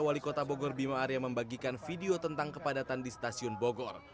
wali kota bogor bima arya membagikan video tentang kepadatan di stasiun bogor